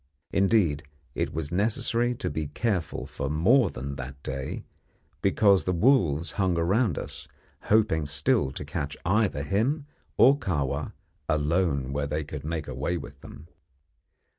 Indeed, it was necessary to be careful for more than that day, because the wolves hung around us, hoping still to catch either him or Kahwa alone where they could make away with them.